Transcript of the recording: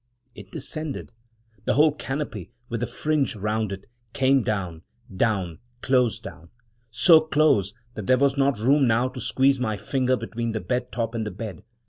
It descended — the whole canopy, with the fringe round it, came down — down — close down; so close that there was not room now to squeeze my finger between the bed top and the bed.